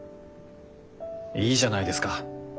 いいじゃないですか。